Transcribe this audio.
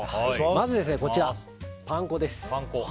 まず、パン粉です。